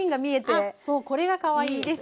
あっそうこれがかわいいですよね。